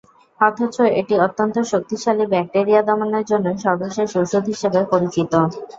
অথচ এটি অত্যন্ত শক্তিশালী ব্যাকটেরিয়া দমনের জন্য সর্বশেষ ওষুধ হিসেবে পরিচিত।